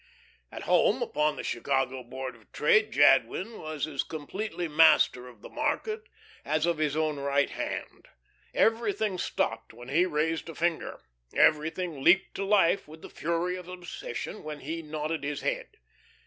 At home, upon the Chicago Board of Trade, Jadwin was as completely master of the market as of his own right hand. Everything stopped when he raised a finger; everything leaped to life with the fury of obsession when he nodded his head.